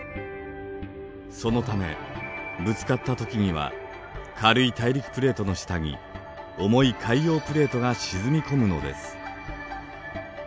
そのためぶつかった時には軽い大陸プレートの下に重い海洋プレートが沈み込むのです。